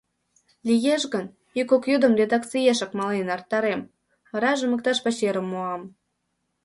— Лиеш гын, ик-кок йӱдым редакциешак мален эртарем, варажым иктаж пачерым муам.